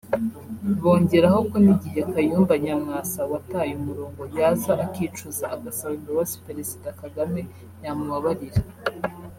Bongeraho ko ni igihe Kayumba Nyamwasa wataye umurongo yaza akicuza agasaba imbabzi Perezida Kagame ya mubabarira